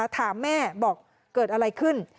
ถามแม่บอกเกิดอะไรขึ้น